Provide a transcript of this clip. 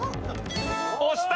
押した！